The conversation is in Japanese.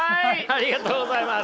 ありがとうございます。